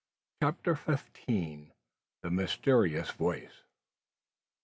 CHAPTER FIFTEEN. THE MYSTERIOUS VOICE.